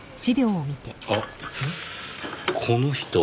あっこの人。